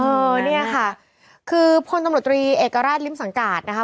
เออเนี่ยค่ะคือพลตำรวจตรีเอกราชริมสังกาศนะคะ